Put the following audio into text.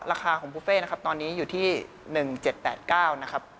ราคาของบุฟเฟ่นะครับตอนนี้อยู่ที่๑๗๘๙นะครับ